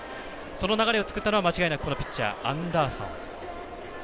その流れを作ったのは間違いなくピッチャーのアンダーソン。